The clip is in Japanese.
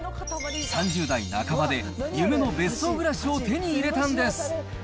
３０代半ばで夢の別荘暮らしを手に入れたんです。